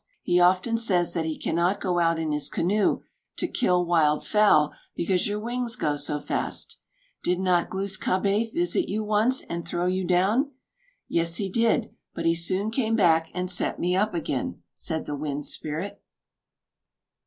He often says that he cannot go out in his canoe to kill wild fowl, because your wings go so fast. Did not Glūs kābé visit you once and throw you down?" "Yes, he did; but he soon came back and set me up again," said the Wind Spirit.